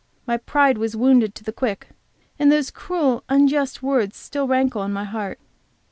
My pride was wounded to the quick, and those cruel, unjust words still rankle in my heart.